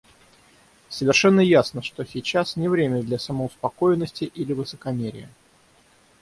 Совершенно ясно, что сейчас не время для самоуспокоенности или высокомерия.